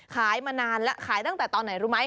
มานานแล้วขายตั้งแต่ตอนไหนรู้ไหม